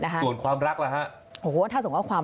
หลังรถไฟชนกัน